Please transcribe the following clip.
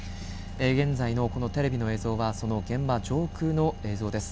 現在のこのテレビの映像はその現場上空の映像です。